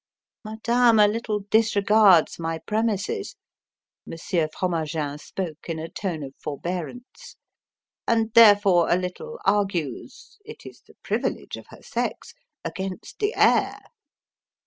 "Madame a little disregards my premises," Monsieur Fromagin spoke in a tone of forbearance, "and therefore a little argues it is the privilege of her sex against the air.